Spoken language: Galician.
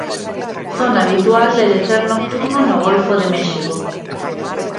Zona habitual de lecer nocturno no golfo de México.